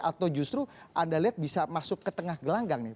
atau justru anda lihat bisa masuk ke tengah gelanggang nih